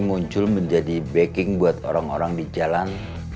muncul menjadi backing buat orang orang di jalan